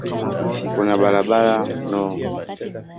Kuna barabara no.